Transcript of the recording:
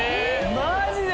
マジで？